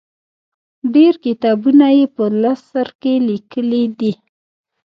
ډېر کتابونه یې په نثر کې لیکلي دي.